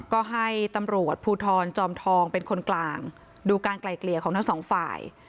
ก็ให้ตำรวจภูทรจอมทองเป็นคนกลางดูการไกลเกลี่ยของทั้งสองฝ่าย